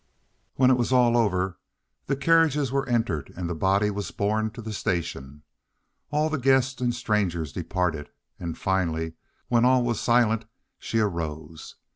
When it was all over the carriages were entered and the body was borne to the station. All the guests and strangers departed, and finally, when all was silent, she arose.